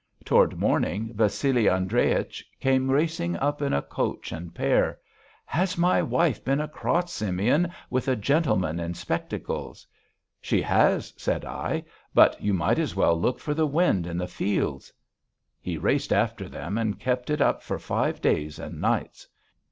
Toward the morning Vassili Andreich came racing up in a coach and pair. 'Has my wife been across, Simeon, with a gentleman in spectacles?' 'She has,' said I, 'but you might as well look for the wind in the fields.' He raced after them and kept it up for five days and nights.